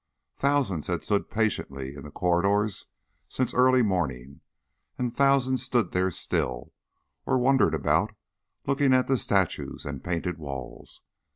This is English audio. Thousands had stood patiently in the corridors since early morning, and thousands stood there still, or wandered about looking at the statues and painted walls.